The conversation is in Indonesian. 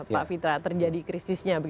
pak fitra terjadi krisisnya